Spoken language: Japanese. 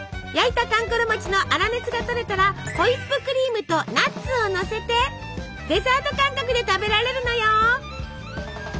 焼いたかんころ餅の粗熱が取れたらホイップクリームとナッツをのせてデザート感覚で食べられるのよ。